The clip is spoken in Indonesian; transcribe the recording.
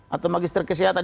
atau magister kesehatan